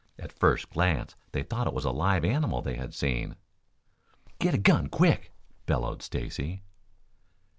At first glance they thought it was a live animal they had seen. "Get a gun, quick!" bellowed Stacy.